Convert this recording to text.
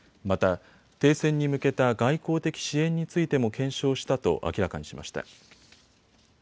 また、停戦に向けた外交的支援についても検証したと明らかにしました。